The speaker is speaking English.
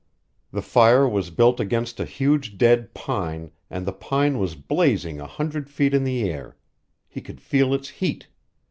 The fire was built against a huge dead pine, and the pine was blazing a hundred feet in the air. He could feel its heat.